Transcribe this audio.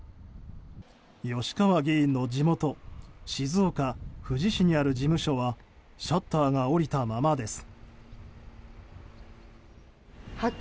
吉川議員の地元静岡・富士市にある事務所はシャッターが下りたままです。